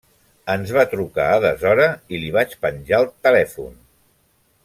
Ens va trucar a deshora i li vaig penjar el telèfon.